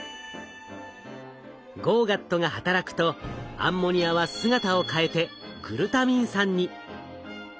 ＧＯＧＡＴが働くとアンモニアは姿を変えてグルタミン酸に。